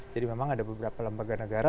jadi memang ada beberapa lembaga negara